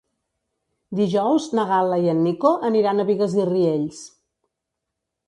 Dijous na Gal·la i en Nico aniran a Bigues i Riells.